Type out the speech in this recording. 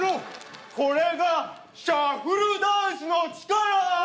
これがシャッフルダンスの力あ